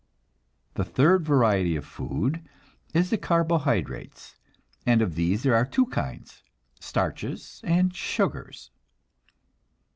The third variety of food is the carbohydrates, and of these there are two kinds, starches and sugars.